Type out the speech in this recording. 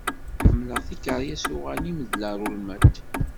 Ḥemmleɣ tikeryas n uɣanim d larulmat.